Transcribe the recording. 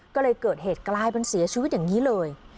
ก็เลยเกิดเหตุกลายเป็นเสียชีวิตอย่างนี้เลย